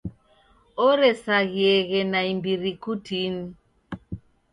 Oresaghieghe naimbiri kutini.